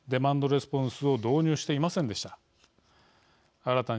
レスポンスを導入していませんでした。